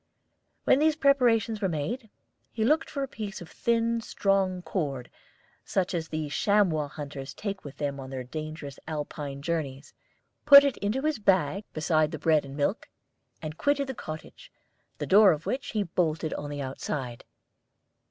When these preparations were made, he looked for a piece of thin strong cord, such as the chamois hunters take with them on their dangerous Alpine journeys, put it into his bag beside the bread and milk, and quitted the cottage, the door of which he bolted on the outside.